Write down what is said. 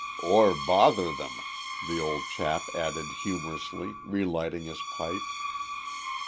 " or bother them," the old chap added humorously, relighting his pipe.